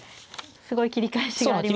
すごい切り返しがありますね。